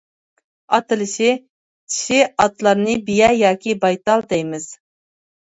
ئاتىلىشى : چىشى ئاتلارنى بىيە ياكى بايتال دەيمىز.